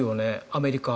アメリカ。